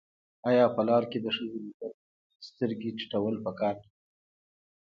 آیا په لار کې د ښځې لیدل سترګې ټیټول پکار نه دي؟